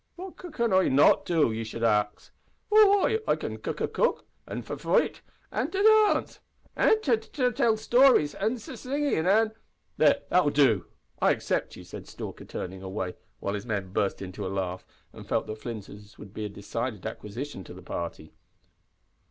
"What c can I not do? ye should ax. W w why, I can c c c cook, an' f f fight, an' d dance, an' t t tell stories, an' s s sing an' " "There, that'll do. I accept you," said Stalker, turning away, while his men burst into a laugh, and felt that Flinders would be a decided acquisition to the party.